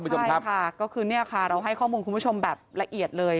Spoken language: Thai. ใช่ค่ะก็คือเนี่ยค่ะเราให้ข้อมูลคุณผู้ชมแบบละเอียดเลย